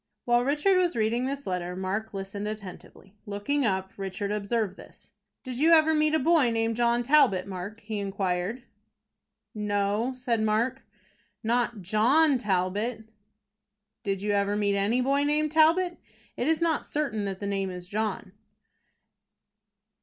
While Richard was reading this letter, Mark listened attentively. Looking up, Richard observed this. "Did you ever meet with a boy named John Talbot, Mark?" he inquired. "No," said Mark, "not John Talbot." "Did you ever meet any boy named Talbot? It is not certain that the name is John."